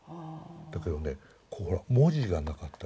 だけどねここほら文字がなかったでしょ。